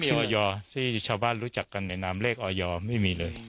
ออยที่ชาวบ้านรู้จักกันในนามเลขออยไม่มีเลย